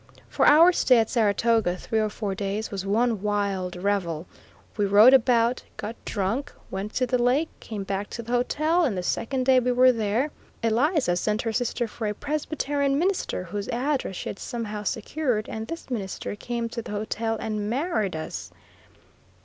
For our stay at Saratoga, three or four days, was one wild revel. We rode about, got drunk, went to the Lake, came back to the hotel, and the second day we were there, Eliza sent her sister for a Presbyterian minister, whose address she had somehow secured, and this minister came to the hotel and married us.